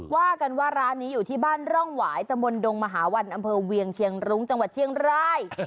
ว่ากันว่าร้านนี้อยู่ที่บ้านร่องหวายตะมนตงมหาวันอำเภอเวียงเชียงรุ้งจังหวัดเชียงราย